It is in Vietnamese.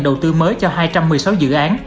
đầu tư mới cho hai trăm một mươi sáu dự án